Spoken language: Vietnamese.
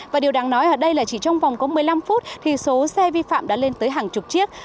và điều đáng nói ở đây là chỉ trong vòng có một mươi năm phút thì số xe vi phạm đã lên tới hàng chục chiếc